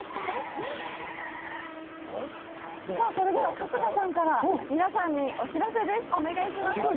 春日さんから皆さんにお知らせです。